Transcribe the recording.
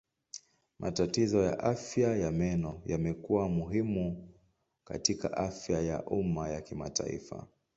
Matatizo ya afya ya meno yamekuwa muhimu katika afya ya umma ya kimataifa.